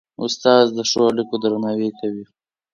استاد د ښو اړيکو درناوی کوي.